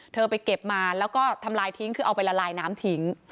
เธอไปเก็บมาแล้วก็ทำลายทิ้งคือเอาไปละลายน้ำทิ้ง